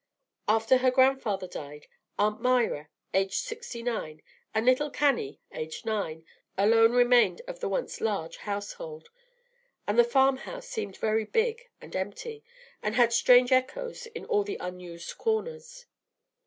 After her grandfather died, Aunt Myra, aged sixty nine, and little Cannie, aged nine, alone remained of the once large household; and the farm house seemed very big and empty, and had strange echoes in all the unused corners.